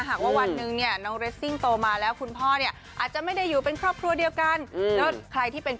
หากว่าวันหนึ่งเนี่ยน้องเรสซิ่งโตมาแล้วคุณพ่อก็อาจจะไม่ได้อยู่เป็นครอบครัวเดียวกัน